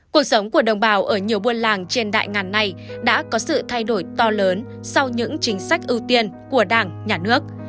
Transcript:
cuộc sống của đồng bào ở nhiều buôn làng trên đại ngàn này đã có sự thay đổi to lớn sau những chính sách ưu tiên của đảng nhà nước